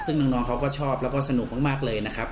ซึ่งน้องเขาก็ชอบแล้วก็สนุกมากเลยนะครับ